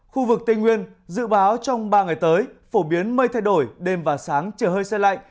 khu vực tây nguyên dự báo trong ba ngày tới phổ biến mây thay đổi đêm và sáng trời hơi xe lạnh